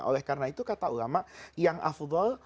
oleh karena itu kata ulama yang afdol